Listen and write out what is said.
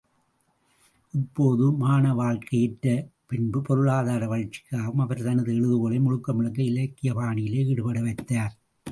இப்போது மாணவாழ்க்கை ஏற்றபின்பு பொருளாதார வளர்ச்சிக்காகவும் அவர் தனது எழுதுகோலை முழுக்க முழுக்க இலக்கியப் பணியிலே ஈடுபட வைத்தார்.